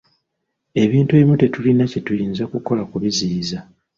Ebintu ebimu tetulina kyetuyinza kukola kubiziyiza.